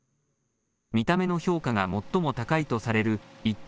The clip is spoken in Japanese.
見た目の評価が最も高いとされる１等